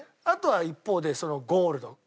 あとは一方でゴールド。